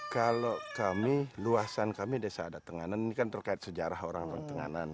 kalau kami luasan kami desa ada tenganan ini kan terkait sejarah orang orang tenganan